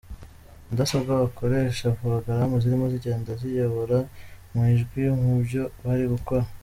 Mudasobwa bakoresha porogaramu zirimo zigenda zibayobora mu ijwi mu byo bari gukora.